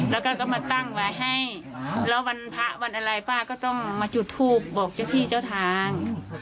แล้วก็ก็มาตั้งไว้ให้แล้ววันพระวันอะไรป้าก็ต้องมาจุดทูปบอกเจ้าที่เจ้าทาง